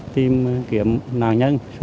tìm kiếm nạn nhân